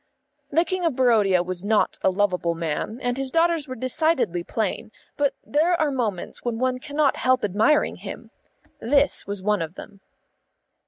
The King of Barodia was not a lovable man, and his daughters were decidedly plain, but there are moments when one cannot help admiring him. This was one of them.